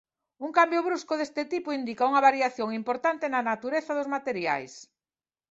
Un cambio brusco deste tipo indica unha variación importante na natureza dos materiais.